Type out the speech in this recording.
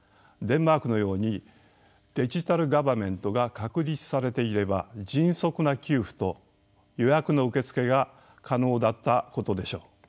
デンマークのようにデジタル・ガバメントが確立されていれば迅速な給付と予約の受付が可能だったことでしょう。